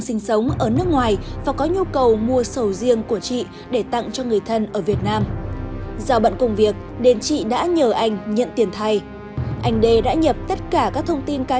xin chào và hẹn gặp lại trong các video tiếp theo